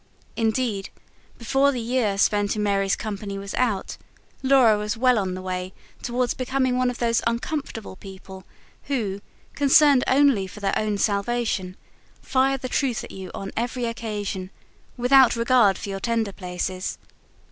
Indeed, before the year spent in Mary's company was out, Laura was well on the way towards becoming one of those uncomfortable people who, concerned only for their own salvation, fire the truth at you on every occasion, without regard for your tender places.